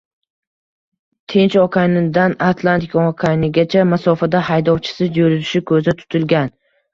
Tinch okeanidan Atlantika okeanigacha masofada haydovchisiz yurishi ko‘zda tutilgan